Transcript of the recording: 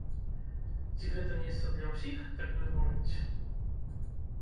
Ці гэта месца для ўсіх, так бы мовіць?